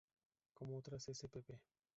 Como otras spp.